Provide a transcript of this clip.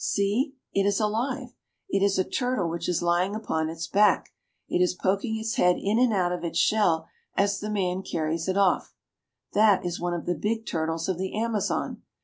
See, it is alive ! It is a turtle which is lying upon its back; it is poking its head in and out of its shell as the man carries it off. That is one of the big turtles of the Amazon.